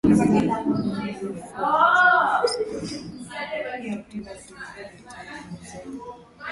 Uharibifu wa mazingira usipopatiwa ufumbuzi matatizo yataongezeka